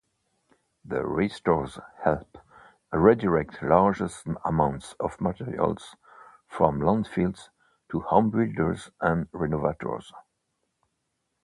The ReStores help redirect larges amounts of materials from landfills to homebuilders and renovators.